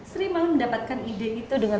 sri malah mendapatkan ide itu dengan